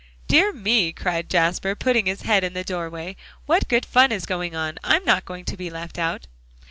"Dear me!" cried Jasper, putting his head in the doorway, "what good fun is going on? I'm not going to be left out."